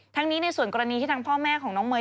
ทั้งนี้ในส่วนกรณีที่ทางพ่อแม่ของน้องเมย